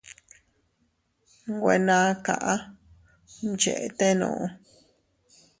Nwe naa kaʼa mchetenuu.